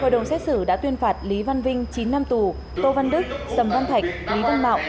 hội đồng xét xử đã tuyên phạt lý văn vinh chín năm tù tô văn đức sầm văn thạch lý đăng mạo